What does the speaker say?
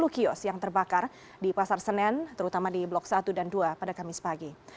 satu ratus dua puluh kios yang terbakar di pasar senen terutama di blok satu dan dua pada kamis pagi